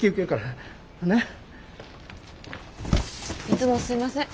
いつもすいません。